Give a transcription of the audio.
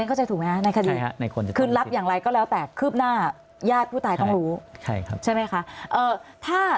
คุณเรียนเข้าใจถูกไหมครับในคดีขึ้นลับอย่างไรก็แล้วแต่คืบหน้ายาดผู้ตายต้องรู้ใช่ไหมคะ